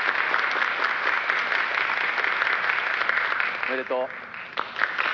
「おめでとう」